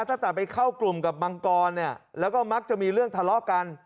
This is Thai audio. ตั้งแต่ไปเข้ากลุ่มกับมังกรเนี่ยแล้วก็มักจะมีเรื่องทะเลาะกัน